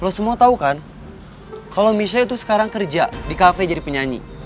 lo semua tau kan kalau misalnya itu sekarang kerja di kafe jadi penyanyi